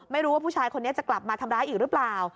ไม่รู้ว่าผู้ชายคนนี้จะกลับมาทำร้ายอีกหรือเปล่า